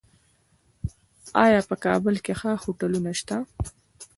آیا په کابل کې ښه هوټلونه شته؟